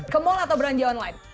kemul atau beranjak online